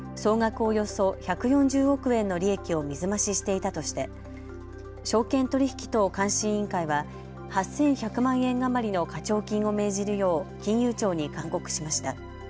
およそ１４０億円の利益を水増ししていたとして証券取引等監視委員会は８１００万円余りの課徴金を命じるよう、金融庁に勧告しました。